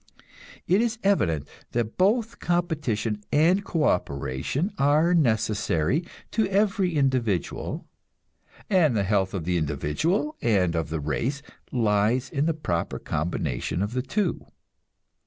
It is evident that both competition and co operation are necessary to every individual, and the health of the individual and of the race lies in the proper combination of the two.